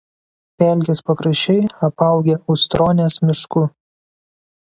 Pelkės pakraščiai apaugę Ustronės mišku.